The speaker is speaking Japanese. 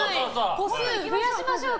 個数増やしましょうか。